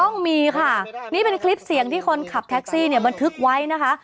ต้องมีค่ะนี่เป็นคลิปเสียงที่คนขับแท็กซี่เนี่ยบันทึกไว้นะคะ